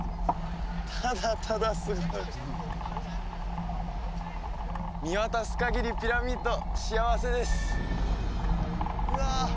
ただただすごい見渡すかぎりピラミッド幸せですうわ